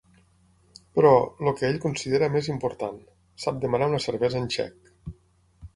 Però, el que ell considera més important, sap demanar una cervesa en txec.